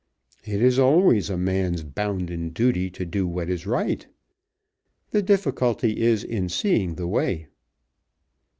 "It is always a man's bounden duty to do what is right. The difficulty is in seeing the way."